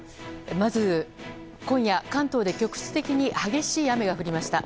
まず今夜、関東で局地的に激しい雨が降りました。